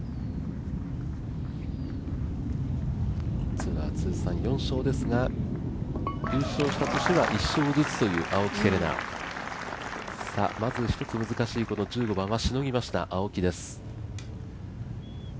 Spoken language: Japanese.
ツアー通算４勝ですが優勝した年は１勝ずつという青木瀬令奈、まず一つ難しいこの１５番はしのぎました青木です。